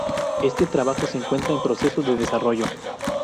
Este trabajo se encuentra en proceso de desarrollo.